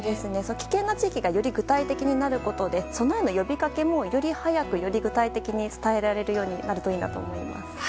危険な地域がより具体的になるので備えの呼びかけもより具体的に早くなるといいなと思います。